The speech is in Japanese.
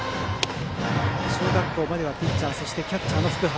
中学校まではピッチャーそしてキャッチャーの福原。